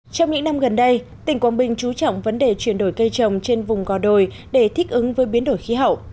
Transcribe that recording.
trong những năm gần đây tỉnh quảng bình trú trọng vấn đề chuyển đổi cây trồng trên vùng gò đồi để thích ứng với biến đổi khí hậu